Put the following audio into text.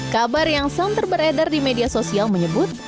kabar yang santer beredar di media sosial menyebut